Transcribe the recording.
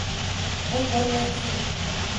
ملک بھر میں تین